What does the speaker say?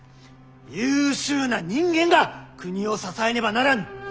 優秀な人間が国を支えねばならぬ。